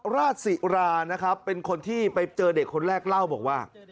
ราชสิรานะครับเป็นคนที่ไปเจอเด็กคนแรกเล่าบอกว่า